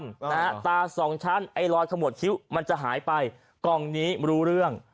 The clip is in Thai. นะฮะตาสองชั้นไอ้รอยขมวดคิ้วมันจะหายไปกล่องนี้รู้เรื่อง